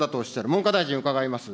文科大臣、伺います。